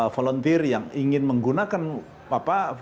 volunteer yang ingin menggunakan apa